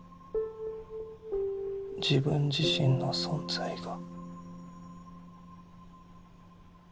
自分自身の存在が。